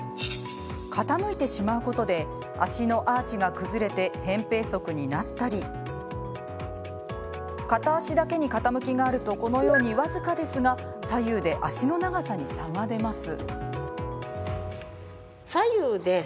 傾いてしまうことで足のアーチが崩れてへん平足になったり片足だけに傾きがあるとこのように僅かですが左右で足の長さに差が出ます。